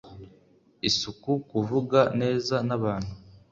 isuku kuvuga neza na bantu